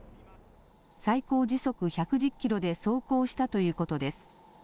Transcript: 最高時速１１０キロで走行したということです。